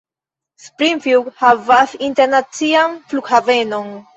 Springfield havas internacian flughavenon.